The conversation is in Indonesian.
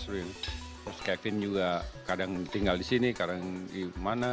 terus kevin juga kadang tinggal di sini kadang di mana mana